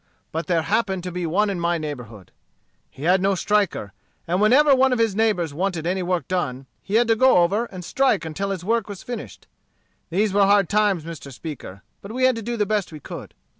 But there happened to be one in my neighborhood. He had no striker; and whenever one of the neighbors wanted any work done, he had to go over and strike until his work was finished. These were hard times, Mr. Speaker, but we had to do the best we could.